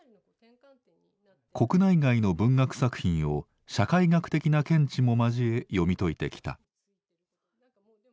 国内外の文学作品を社会学的な見地も交え読み解いてきた。